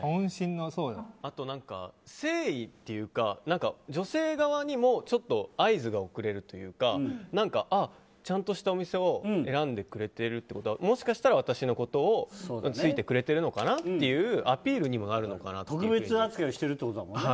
あと、誠意というか女性側にも合図が送れるというかちゃんとしたお店を選んでくれてるってことはもしかしたら、私のことを好いてくれてるのかなという特別扱いしてるってことだもんね。